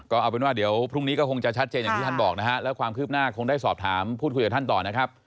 ก็เอาเป็นว่าเดี๋ยวพรุ่งนี้ก็คงจะชัดเจนอย่างที่ท่านบอกนะฮะแล้วความคืบหน้าคงได้สอบถามพูดคุยกับท่านต่อนะครับ